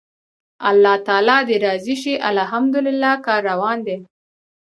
الله تعالی دې راضي شي، الحمدلله کار روان دی.